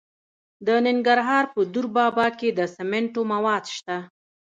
د ننګرهار په دور بابا کې د سمنټو مواد شته.